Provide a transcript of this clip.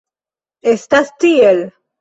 Estas tiel?